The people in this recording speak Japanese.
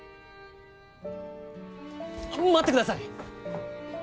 待ってください！